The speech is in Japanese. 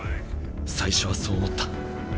最初はそう思った。